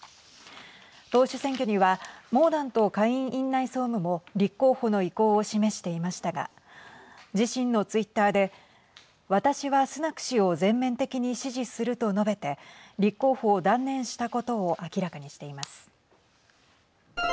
党首選挙にはモーダント下院院内総務も立候補の意向を示していましたが自身のツイッターで私は、スナク氏を全面的に支持すると述べて立候補を断念したことを明らかにしています。